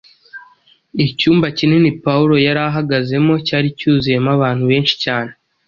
Icyumba kinini Pawulo yari ahagazemo cyari cyuzuyemo abantu benshi cyane